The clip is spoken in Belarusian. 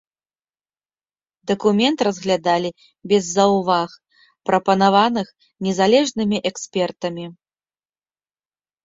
Дакумент разглядалі без заўваг, прапанаваных незалежнымі экспертамі.